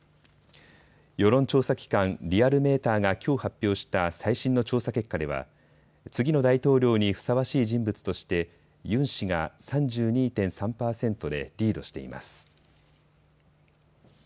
世論調査機関、リアルメーターがきょう発表した最新の調査結果では次の大統領にふさわしい人物としてユン氏が３２．３％でリードしています。